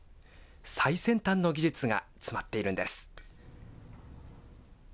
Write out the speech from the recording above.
最先端の技術が詰まっているんです。